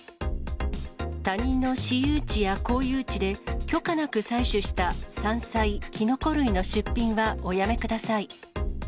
他人の私有地や公有地で、許可なく採取した山菜、キノコ類の出品はおやめください。